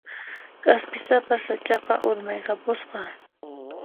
K'aspisapa sach'aqa urmaykapusqa.